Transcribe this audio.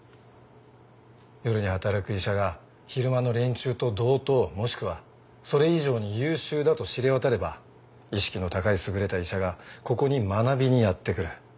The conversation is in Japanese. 夜に働く医者が昼間の連中と同等もしくはそれ以上に優秀だと知れ渡れば意識の高い優れた医者がここに学びにやって来る。